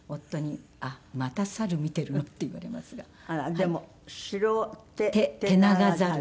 でもシロテテナガザル。